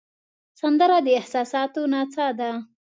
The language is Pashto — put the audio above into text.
سندره د احساساتو نڅا ده